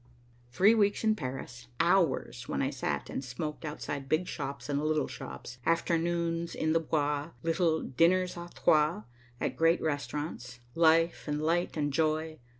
Three weeks in Paris, hours when I sat and smoked outside big shops and little shops, afternoons in the Bois, little "diners à trois" at great restaurants, life, and light, and joy.